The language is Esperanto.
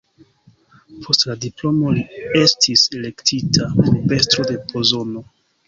Post la diplomo li estis elektita urbestro de Pozono.